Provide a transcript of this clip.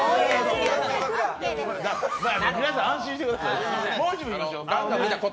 皆さん安心してください。